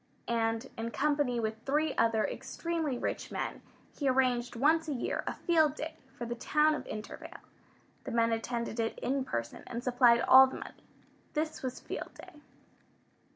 And in company with three other extremely rich men he arranged, once a year, a Field Day for the town of Intervale. The men attended it in person, and supplied all the money. This was Field Day.